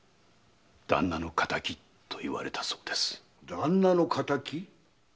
「旦那の敵」？